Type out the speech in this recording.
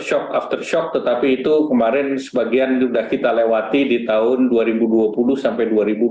shock after shock tetapi itu kemarin sebagian sudah kita lewati di tahun dua ribu dua puluh sampai dua ribu dua puluh